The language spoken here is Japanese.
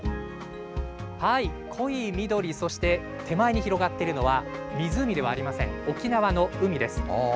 濃い緑、そして手前に広がっているのは湖ではありません、沖縄の海です。